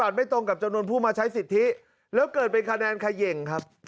ไม่ตรงกับจำนวนผู้มาใช้สิทธิแล้วเกิดเป็นคะแนนเขย่งครับ